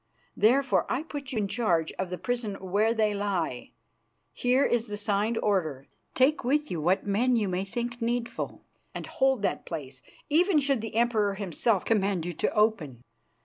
Therefore, I put you in charge of the prison where they lie. Here is the signed order. Take with you what men you may think needful, and hold that place, even should the Emperor himself command you to open.